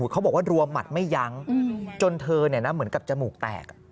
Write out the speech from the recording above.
เขาบอกว่ารัวหมัดไม่ยั้งจนเธอเหมือนกับจมูกแตก